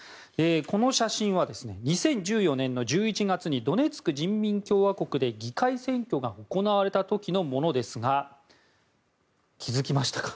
この写真は２０１４年の１１月にドネツク人民共和国で議会選挙が行われた時のものですが気づきましたか？